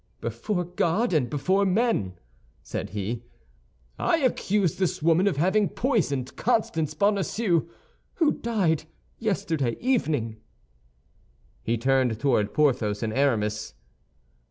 "Before God and before men," said he, "I accuse this woman of having poisoned Constance Bonacieux, who died yesterday evening." He turned towards Porthos and Aramis.